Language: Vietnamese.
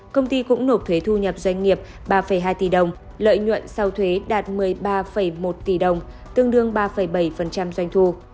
công ty cũng nộp thuế thu nhập doanh nghiệp ba hai tỷ đồng lợi nhuận sau thuế đạt một mươi ba một tỷ đồng tương đương ba bảy doanh thu